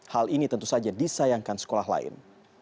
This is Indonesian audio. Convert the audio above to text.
hal ini tentu saja disayangkan sekolah lain